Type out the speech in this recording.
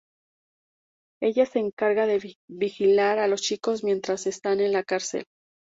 Ella se encarga de vigilar a los chicos mientras están en la cárcel.